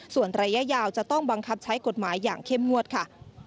ส่วนระยะยาวจะต้องบังคับใช้กฎหมายอย่างเข้มงวดค่ะ